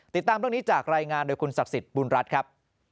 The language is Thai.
ติดตามเรื่องนี้จากรายงานโดยคุณศักดิ์สิทธิ์บุญรัฐครับ